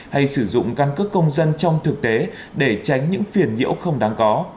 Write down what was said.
hay sử dụng căn cước công dân trong thực tế để tránh những phiền nhiễu không đáng có